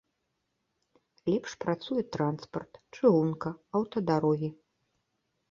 Лепш працуе транспарт, чыгунка, аўтадарогі.